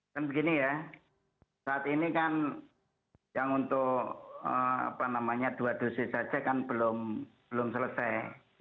kan begini ya saat ini kan yang untuk dua dosis saja kan belum selesai